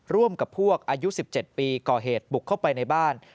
ร่วมกับพวกอายุ๑๗ปีก่อเหตุบุกเข้าไปในบ้าน